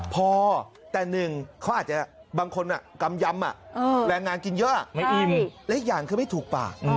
พอแต่หนึ่งเขาอาจจะบางคนกำยำแรงงานกินเยอะไม่อิ่มและอีกอย่างคือไม่ถูกปาก